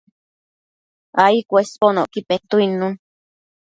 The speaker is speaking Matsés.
ai cuesbonocqui petuidnun